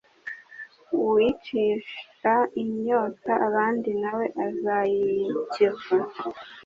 uwicira inyota abandi na we azayikizwa